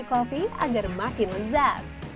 sambil membeli kopi agar makin lezat